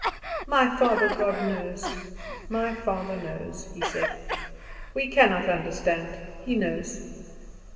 "My father God knows, my father knows," he said; "we cannot understand; He knows."